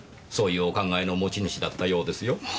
そういうお考えの持ち主だったようですよ。